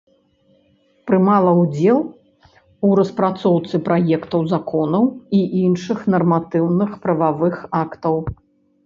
Прымала ўдзел у распрацоўцы праектаў законаў і іншых нарматыўных прававых актаў.